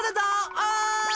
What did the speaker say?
おい。